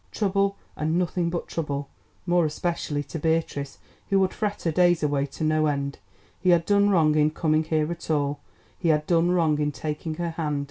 Trouble, and nothing but trouble, more especially to Beatrice, who would fret her days away to no end. He had done wrong in coming here at all, he had done wrong in taking her hand.